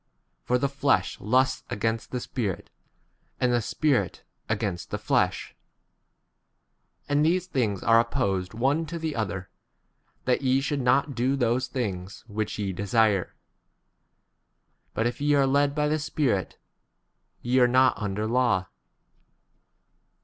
For the flesh lusts against the Spirit, and the Spirit against the flesh ; and these things are opposed one to the other, that ye should not do those things 18 which ye desire ; but if ye are led by ° the Spirit, ye are not under 19 law.